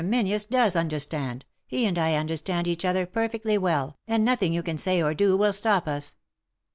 Menzies does understand — he and I understand each other perfectly well, and nothing you can say or do will stop us."